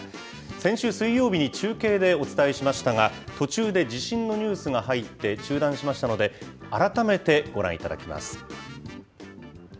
先週水曜日に中継でお伝えしましたが、途中で地震のニュースが入って中断しましたので、改めてご覧いただきます。